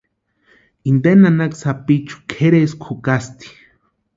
Inte nanaka sapichu kʼeri eskwa jukasti.